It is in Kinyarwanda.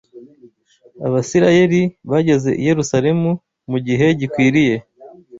Abisirayeli bageze i Yerusalemu mu gihe gikwiriye.